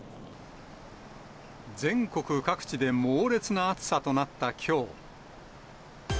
全国各地で猛烈な暑さとなったきょう。